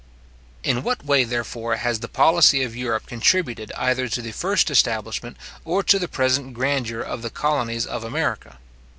In what way, therefore, has the policy of Europe contributed either to the first establishment, or to the present grandeur of the colonies of America?